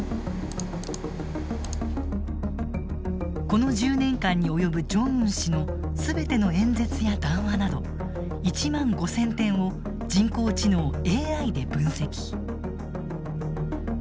この１０年間に及ぶジョンウン氏の全ての演説や談話など１万５，０００点を人工知能ＡＩで分析。